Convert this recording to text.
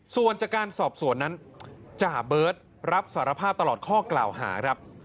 ส่วนจากการสอบสวนนั้นจ่าเบิร์ตรับสารภาพตลอดข้อกล่าวหาครับ